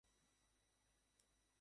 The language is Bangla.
কেন, অধর মাস্টার কী দোষ করেছে?